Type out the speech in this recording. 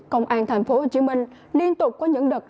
công an tp hcm liên tục có những đợt